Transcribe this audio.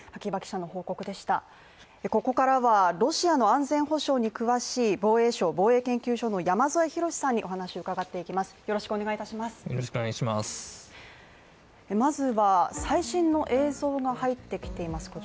ここからはロシアの安全保障に詳しい防衛省防衛研究所の山添博史さんにお話を伺っていきます。